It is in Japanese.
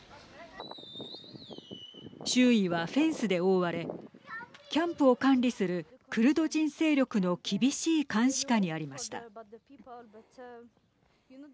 周囲は、フェンスで覆われキャンプを管理するクルド人勢力の厳しい監視下にありました。